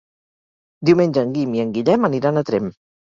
Diumenge en Guim i en Guillem aniran a Tremp.